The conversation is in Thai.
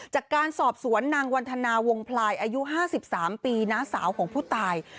จากการสอบสวนนางวันธนาวงพลายอายุ๕๓ปีน้าสาวของผู้ตาย